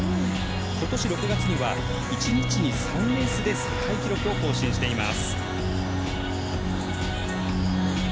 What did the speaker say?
ことし６月には１日に３レースで世界記録を更新しています。